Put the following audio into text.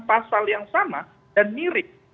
pasal yang sama dan mirip